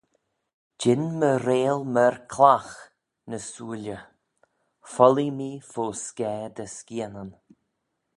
Jean m'y reayll myr clagh ny sooilley: follee mee fo scaa dty skianyn.